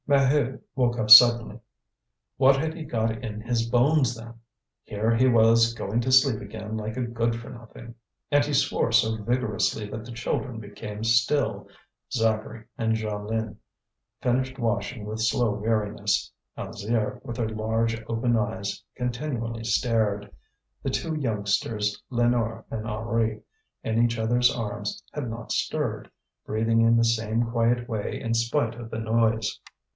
Maheu woke up suddenly. What had he got in his bones, then? Here he was going to sleep again like a good for nothing. And he swore so vigorously that the children became still. Zacharie and Jeanlin finished washing with slow weariness. Alzire, with her large, open eyes, continually stared. The two youngsters, Lénore and Henri, in each other's arms, had not stirred, breathing in the same quiet way in spite of the noise.